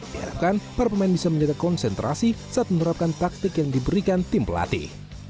diharapkan para pemain bisa menjaga konsentrasi saat menerapkan taktik yang diberikan tim pelatih